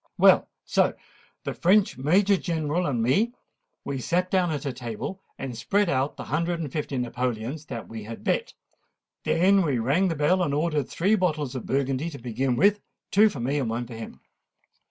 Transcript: Well, so the French Major General and me, we sate down at table, and spread out the hundred and fifty napoleons that we had bet. Then we rang the bell, and ordered three bottles of Burgundy to begin with—two for me, and one for him."